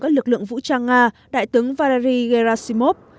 các lực lượng vũ trang nga đại tướng valery gerasimov